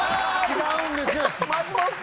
違うんです。